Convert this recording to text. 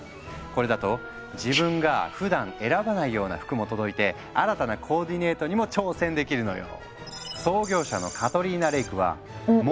これだと自分がふだん選ばないような服も届いて新たなコーディネートにも挑戦できるのよ。